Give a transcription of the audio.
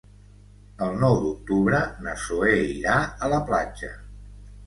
El nou d'octubre na Zoè irà a la platja.